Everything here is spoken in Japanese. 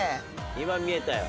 今見えたよ。